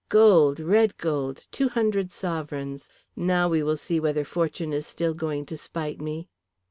"Gold, red gold, two hundred sovereigns. Now, we will see whether fortune is still going to spite me."